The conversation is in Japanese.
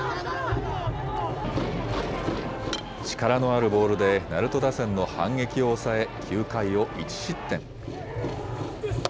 力のあるボールで鳴門打線の反撃を抑え、９回を１失点。